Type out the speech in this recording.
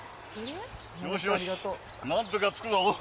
よしよし、なんとか着くぞ。